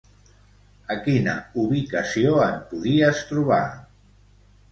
A quina ubicació en podies trobar?